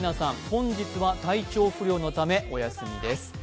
本日は体調不良のためお休みです。